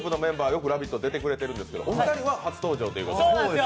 よく「ラヴィット！」に出てくれてるんですけどお二人は初登場ということです。